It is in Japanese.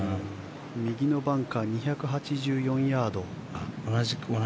右のバンカー２８４ヤード。